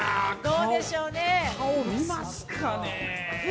顔見ますかね？